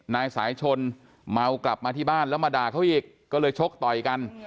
นายสายชนเมากลับมาที่บ้านแล้วมาด่าเขาอีกก็เลยชกต่อยกัน